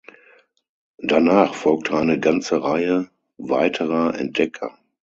Danach folgte eine ganze Reihe weiterer Entdecker.